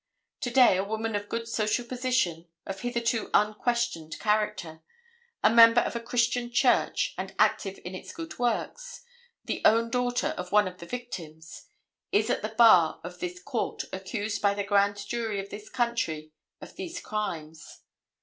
To day, a woman of good social position, of hitherto unquestioned character, a member of a Christian church and active in its good works, the own daughter of one of the victims, is at the bar of this court accused by the Grand Jury of this county of these crimes.